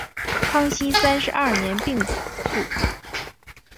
康熙三十二年病卒。